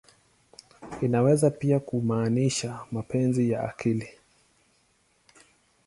Inaweza pia kumaanisha "mapenzi ya akili.